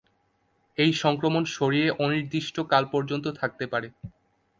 এই সংক্রমণ শরীরে অনির্দিষ্ট কাল পর্যন্ত থাকতে পারে।